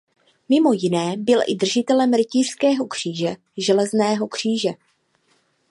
Mimo jiné byl i držitelem rytířského kříže železného kříže.